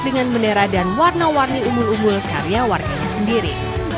dengan bendera dan warna warni umbul umbul karya warganya sendiri